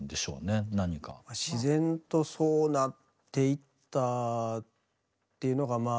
自然とそうなっていったっていうのがまあ